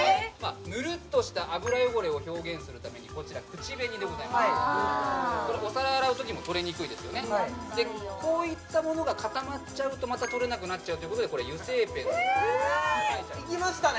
ヌルッとした油汚れを表現するためにこちら口紅でございますお皿洗う時も取れにくいですよねでこういったものが固まっちゃうとまた取れなくなっちゃうっていうことで油性ペンいきましたね